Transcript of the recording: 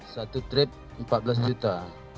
satu trip empat belas juta